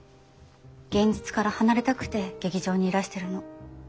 現実から離れたくて劇場にいらしてるの。